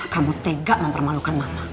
kamu tegak mempermalukan mama